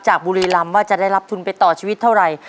บุรีรำว่าจะได้รับทุนไปต่อชีวิตเท่าไหร่